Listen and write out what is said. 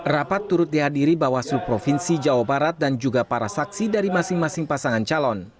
rapat turut dihadiri bawaslu provinsi jawa barat dan juga para saksi dari masing masing pasangan calon